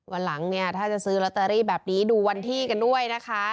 วันหลังเนี่ยถ้าจะซื้อลอตเตอรี่แบบนี้ดูวันที่กันด้วยนะคะ